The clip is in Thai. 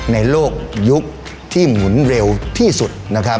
ในโลกยุคที่หมุนเร็วที่สุดนะครับ